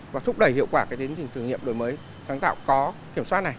và thúc đẩy hiệu quả cái tiến trình thử nghiệm đổi mới sáng tạo có kiểm soát này